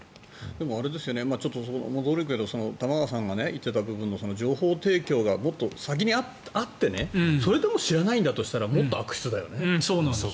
でも戻るけど玉川さんが言っていた部分で情報提供がもっと先にあってそれでも知らないんだとしたらもっと悪質だよね。